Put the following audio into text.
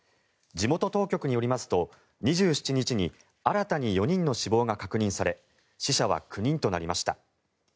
地元当局によりますと２７日に新たに４人の死亡が確認され死者は９人となりました。